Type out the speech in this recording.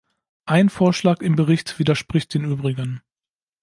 Ein Vorschlag im Bericht widerspricht den übrigen.